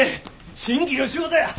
新規の仕事や！